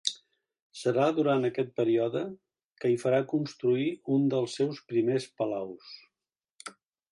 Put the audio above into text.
Serà durant aquest període que hi farà construir un dels seus primers palaus.